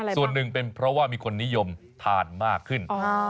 ส่วนหนึ่งเป็นเพราะว่ามีคนนิยมทานมากขึ้น